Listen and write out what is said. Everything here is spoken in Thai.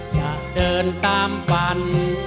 อย่าเดินตามฝัน